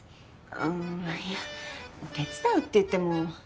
うんいや手伝うっていっても。